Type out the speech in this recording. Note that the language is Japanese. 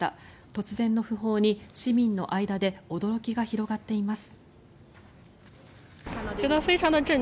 突然の訃報に市民の間で驚きが広がっています。